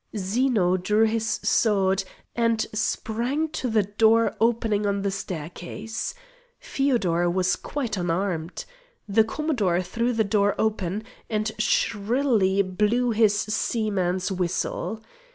Zeno drew his sword and sprang to the door opening on the staircase. Feodor was quite unarmed. The Commodore threw the door open and shrilly blew his seaman's whistle.